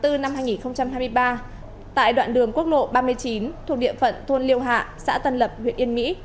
trước đó ngày một mươi một tháng bốn năm hai nghìn hai mươi ba tại đoạn đường quốc lộ ba mươi chín thuộc địa phận thôn liêu hạ xã tân lập huyện yên mỹ